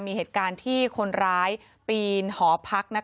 มีเหตุการณ์ที่คนร้ายปีนหอพัก